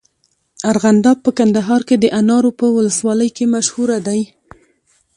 ارغنداب په کندهار کي د انارو په ولسوالۍ مشهوره دی.